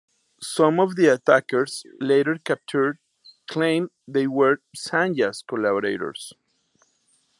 Some of the attackers, later captured, claimed they were Sanyang's collaborators.